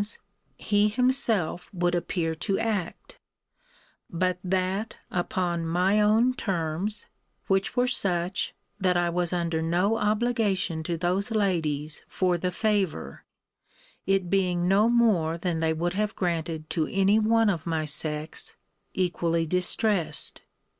's, he himself would appear to act]: but that upon my own terms, which were such, that I was under no obligation to those ladies for the favour; it being no more than they would have granted to any one of my sex, equally distressed.'